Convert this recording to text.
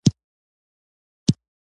هغه پرتیناکس له وژلو وروسته واک ته رسېدلی و